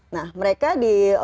nah mereka di